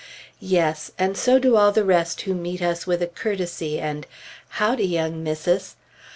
Yes! and so do all the rest who meet us with a courtesy and "Howd'y, young Missus!"